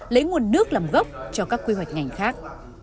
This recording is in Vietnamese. lấy nguồn nước làm gốc cho các quy hoạch ngành khác